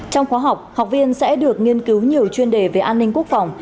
trong khóa học học viên sẽ được nghiên cứu nhiều chuyên đề về an ninh quốc phòng